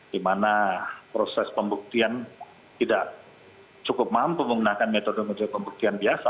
di mana proses pembuktian tidak cukup mampu menggunakan metode metode pembuktian biasa